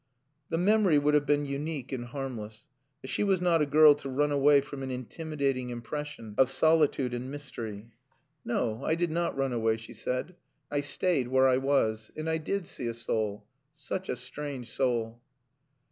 The memory would have been unique and harmless. But she was not a girl to run away from an intimidating impression of solitude and mystery. "No, I did not run away," she said. "I stayed where I was and I did see a soul. Such a strange soul."